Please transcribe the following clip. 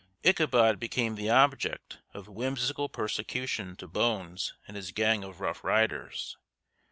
Ichabod became the object of whimsical persecution to Bones and his gang of rough riders.